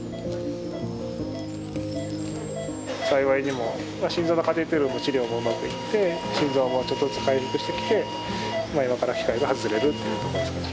幸いにも心臓のカテーテルの治療もうまくいって心臓もちょっとずつ回復してきて今から機械が外されるというとこですかね。